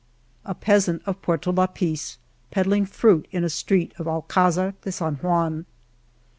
. p A peasant of Puerto Lapice peddling fruit in a street of Alcdzar de San Juan